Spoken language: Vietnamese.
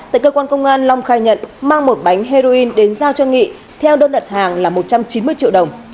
tại cơ quan công an long khai nhận mang một bánh heroin đến giao cho nghị theo đơn đặt hàng là một trăm chín mươi triệu đồng